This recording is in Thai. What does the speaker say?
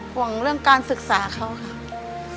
ห่วงเรื่องการศึกษาเขาค่ะ